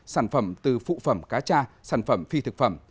sản phẩm từ phụ phẩm cá cha sản phẩm phi thực phẩm